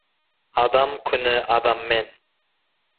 Адам күні адаммен.